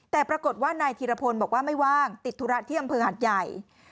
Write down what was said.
แต่ปรากฏว่านายธีรพลบอกว่าไม่ว่างติดธุระที่อำเภอหัดใหญ่